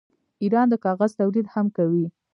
ایران د کاغذ تولید هم کوي.